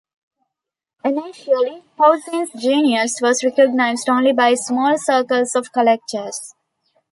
Initially, Poussin's genius was recognized only by small circles of collectors.